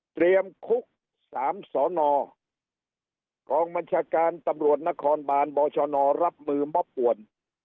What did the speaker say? เตรียมคุก๓สอนอกองบัญชาการตำรวจนครบาลบชนรับมือมบป่วน